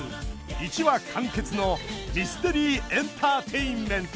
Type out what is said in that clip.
１話完結のミステリー・エンターテインメント！